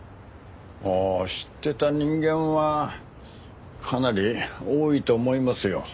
ああ知ってた人間はかなり多いと思いますよ。